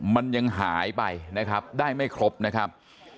มันยังหายไปนะครับได้ไม่ครบนะครับ